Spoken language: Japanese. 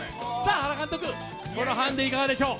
原監督、このハンデ、いかがでしょう。